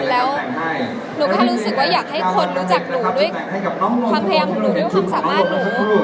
แล้วหนูแค่รู้สึกว่าอยากให้คนรู้จักหนูด้วยความพยายามของหนูด้วยความสามารถหนู